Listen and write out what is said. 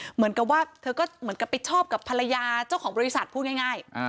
เหมือนกับว่าเธอก็เหมือนกับไปชอบกับภรรยาเจ้าของบริษัทพูดง่าย